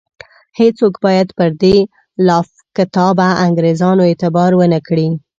هیڅوک باید پر دې لافکتابه انګرېزانو اعتبار ونه کړي.